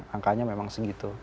angkanya memang segitu